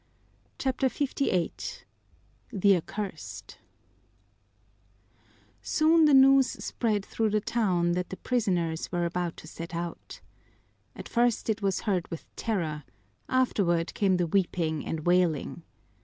CHAPTER LVIII The Accursed Soon the news spread through the town that the prisoners were about to set out. At first it was heard with terror; afterward came the weeping and wailing.